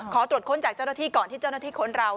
ขอตรวจค้นจากเจ้าหน้าที่ก่อนที่เจ้าหน้าที่ค้นเรา